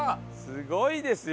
すごいですよ！